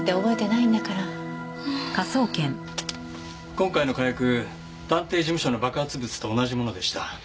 今回の火薬探偵事務所の爆発物と同じものでした。